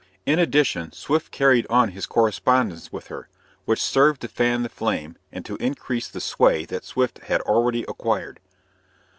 In addition, Swift carried on his correspondence with her, which served to fan the flame and to increase the sway that Swift had already acquired.